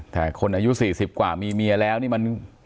แต่คนอายุ๔๐กว่ามีเมียแล้วนี่มัน